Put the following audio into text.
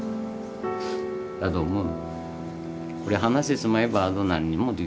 だと思う。